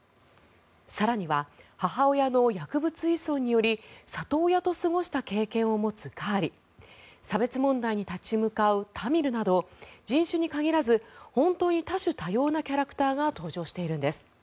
更には母親の薬物依存により里親と過ごした経験を持つカーリ差別問題に立ち向かうタミルなど人種に限らず本当に多種多様なキャラクターが登場しているんです。